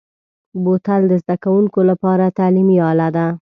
بوتل د زده کوونکو لپاره تعلیمي اله ده.